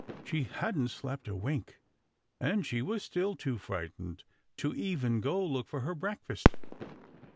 She hadn't slept a wink, and she was still too frightened to even go look for her breakfast.